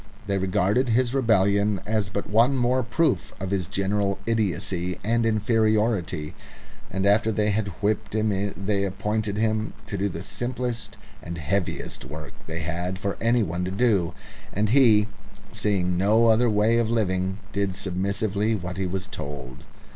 They regarded his rebellion as but one more proof of his general idiocy and inferiority; and after they had whipped him they appointed him to do the simplest and heaviest work they had for anyone to do, and he, seeing no other way of living, did submissively what he was told.